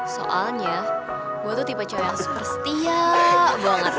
soalnya gue tuh tipe cewek yang superstiaaa banget